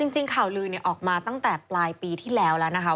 จริงข่าวลือออกมาตั้งแต่ปลายปีที่แล้วแล้วนะคะ